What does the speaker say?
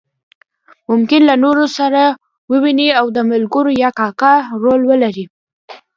ممکن له نورو سره وویني او د ملګري یا کاکا رول ولري.